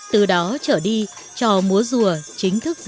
từ đó trở đi cho múa rùa chính thức ra